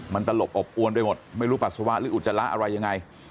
มันตลกย์อบบัวนไปหมดไม่รู้ปัสสาวะหรืออุจจาระแหละ